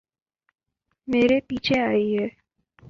میرے پیچھے آییے